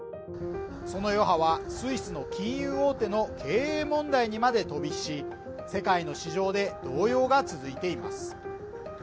その余波は、スイスの金融大手の経営問題にまで飛び火し世界の市場で動揺が続いています